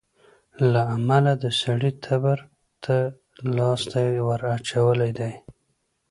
له امله د سړي تبر ته لاستى وراچولى دى.